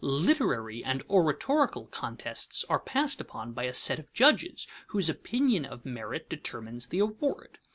Literary and oratorical contests are passed upon by a set of judges whose opinion of merit determines the award.